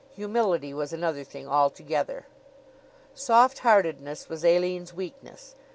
Humility was another thing altogether. Soft heartedness was Aline's weakness.